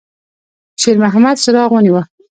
شېرمحمد څراغ ونیوه.